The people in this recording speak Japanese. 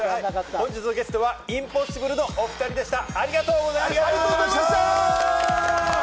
本日のゲストはインポッシブルのおふたりでした。